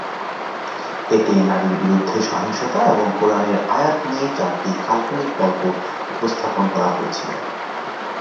এতে নারীর বিরুদ্ধে সহিংসতা এবং কোরআনের আয়াত নিয়ে চারটি কাল্পনিক পর্ব উপস্থাপন করা হয়েছিল।